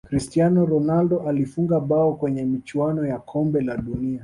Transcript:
cristiano ronaldo alifunga bao kwenye michuano ya kombe la dunia